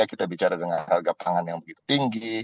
kita bicara dengan harga pangan yang begitu tinggi